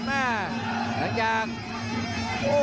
ยังได้ครับโอ้